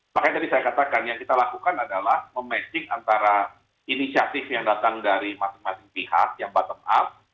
makanya tadi saya katakan yang kita lakukan adalah memancing antara inisiatif yang datang dari masing masing pihak yang bottom up